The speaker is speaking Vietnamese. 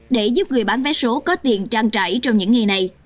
để giúp người bán vé số có tiền trang trải trong những ngày này